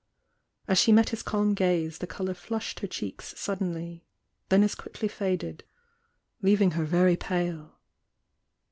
As she met his C£jm gaze the colour flushed her cheeks suddenly, then as quickly faded, leaving her very pale.